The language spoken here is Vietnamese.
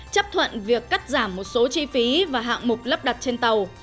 chấp thuận việc cắt giảm một số chi phí và hạng mục lắp đặt trên tàu